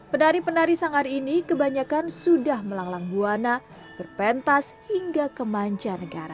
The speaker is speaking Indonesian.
penari penari sanggar ini kebanyakan sudah melanglang buana berpentas hingga kemanca negara